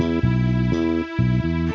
nanti gue nunggu